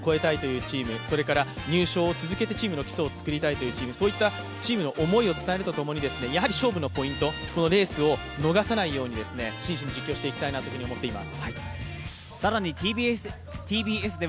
もちろん優勝を目指すチーム、昨年の自分たちを越えたいというチーム、それから入賞を続けてチームの基礎を作りたいというチームそういったチームの思いを伝えるとともにやはり勝負のポイント、レースを逃さないようにレースを実況していきたいなと思っています。